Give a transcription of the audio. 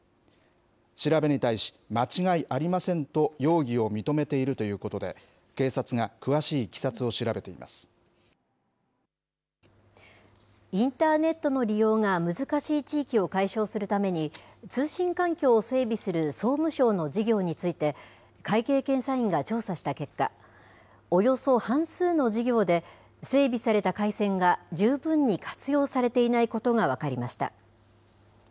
調べに対し、間違いありませんと容疑を認めているということで、警察が詳しいいきさつを調べていインターネットの利用が難しい地域を解消するために、通信環境を整備する総務省の事業について、会計検査院が調査した結果、およそ半数の事業で、整備された回線が十分に活用されていないことが分かりました。